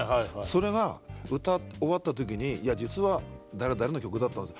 それが歌い終わった時にいや実は誰々の曲だったんです。